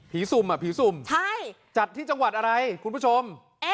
สุ่มอ่ะผีสุ่มจัดที่จังหวัดอะไรคุณผู้ชม